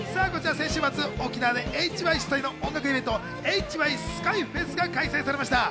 先週末、沖縄でＨＹ主催の音楽イベント・ＨＹＳＫＹＦｅｓが開催されました。